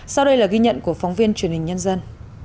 sau đây là ghi nhận của phóng viên truyền hình nhân dân